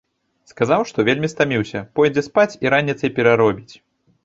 Сказаў, што вельмі стаміўся, пойдзе спаць і раніцай пераробіць.